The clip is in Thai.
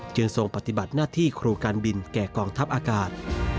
ทรงปฏิบัติหน้าที่ครูการบินแก่กองทัพอากาศ